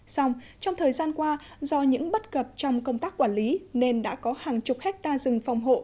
xong trong thời gian qua do những bất cập trong công tác quản lý nên đã có hàng chục hectare rừng phòng hộ